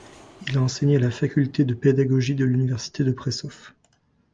Il a enseigné à la faculté de pédagogie de l'université de Prešov.